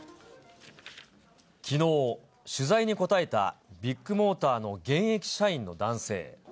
きのう、取材に答えたビッグモーターの現役社員の男性。